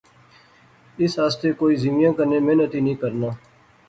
اس آسطے کوئی زیوِیاں کنے محنت ای نی کرنا